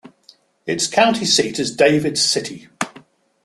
Its county seat is David City.